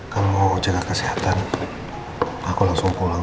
kalau jaga kesehatan aku langsung pulang